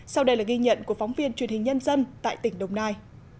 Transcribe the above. sau đây là ghi nhận của phóng viên truyền hình nhân dân tại tỉnh đồng nai